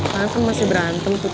kalian kan masih berantem tuh